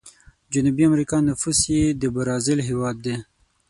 جنوبي امريکا نفوس یې د برازیل هیواد دی.